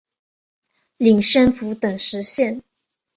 领宣府等十县。